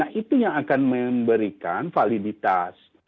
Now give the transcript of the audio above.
nah itu yang akan memberikan validitas